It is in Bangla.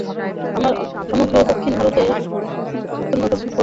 আমরা সমগ্র দক্ষিণ ভারতকে গণকবরে পরিণত করব।